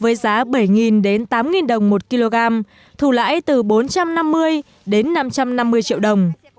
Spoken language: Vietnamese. với giá bảy đến tám đồng một kg thù lãi từ bốn trăm năm mươi đến năm trăm năm mươi triệu đồng